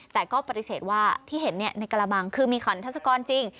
แต่ก็ปฏิเสธว่าที่เห็นในกระบังคือมีขันทัศกรจริง